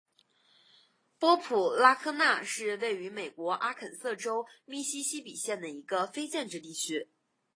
波普拉科纳是位于美国阿肯色州密西西比县的一个非建制地区。